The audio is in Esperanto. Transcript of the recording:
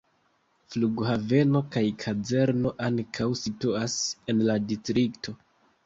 Flughaveno kaj kazerno ankaŭ situas en la distrikto.